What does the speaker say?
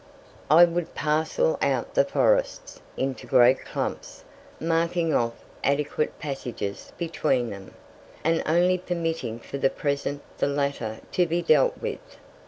I would parcel out the forests, into great clumps, marking off adequate passages between each, and only permitting for the present the latter to be dealt with.